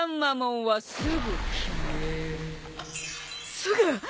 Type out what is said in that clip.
すぐ！？